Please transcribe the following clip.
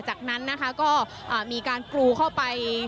จากนั้นนะคะก็มีการกรูเข้าไป